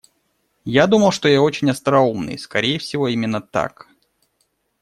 Я думал, что я очень остроумный, скорее всего, именно так.